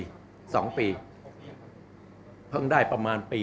เพิ่งได้ประมาณปีใช่ไหมประมาณปี